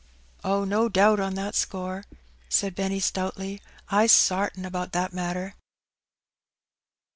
*'" Oh, no doubt on that score,'' said Benny, stoutly ;" I's sartin about that matter."